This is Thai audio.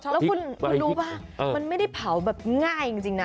แล้วคุณรู้ป่ะมันไม่ได้เผาแบบง่ายจริงนะ